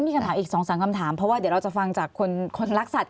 นี่จะมีอีกสองสามคำถามเพราะว่าเดี๋ยวเราจะฟังจากคนรักษัตริย์